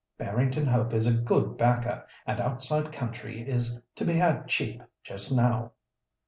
Barrington Hope is a good backer, and outside country is to be had cheap just now."